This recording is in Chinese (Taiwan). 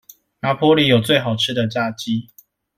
拿坡里有最好吃的炸雞